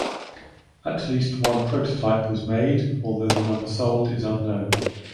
At least one prototype was made although the number sold is unknown.